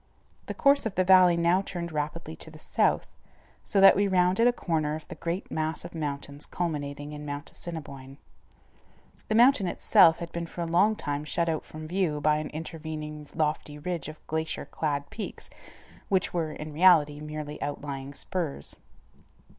The course of the valley now turned rapidly to the south, so that we rounded a corner of the great mass of mountains culminating in Mount Assiniboine. The mountain itself had been for a long time shut out from view by an intervening lofty ridge of glacier clad peaks, which were, in reality, merely outlying spurs.